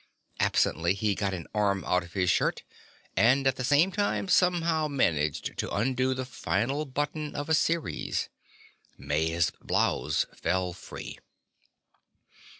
Absently, he got an arm out of his shirt, and at the same time somehow managed to undo the final button of a series. Maya's blouse fell free.